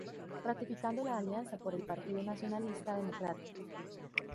Ratificando la alianza con el Partido Nacionalista Democrático.